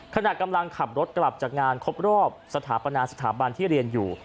ขณะกำลังขับรถกลับจากงานครบรอบสถาปนาสถาบันที่เรียนอยู่